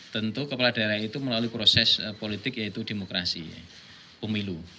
tentu kepala daerah itu melalui proses politik yaitu demokrasi pemilu